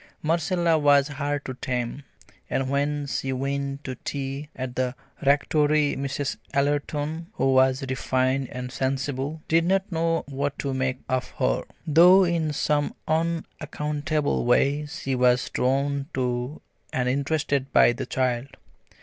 Marcella was hard to tame, and when she went to tea at the Rectory Mrs. Ellerton, who was refined and sensible, did not know what to make of her, though in some unaccountable way she was drawn to and interested by the child.